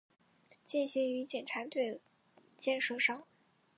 践行于检察队伍建设上